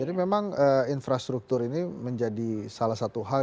jadi memang infrastruktur ini menjadi salah satu hal